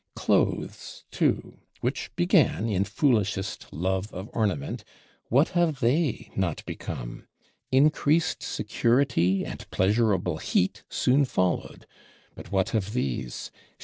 Clothes too, which began in foolishest love of Ornament, what have they not become! Increased Security and pleasurable Heat soon followed: but what of these?